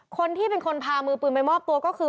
คนที่เป็นคนพามือปืนไปมอบตัวก็คือ